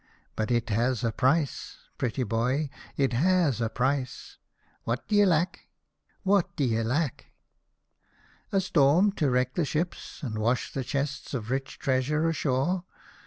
But it has a price, pretty boy, it has a price. What d'ye lack ? What d'ye lack ? A storm to wreck the ships, and wash the chests of rich treasure ashore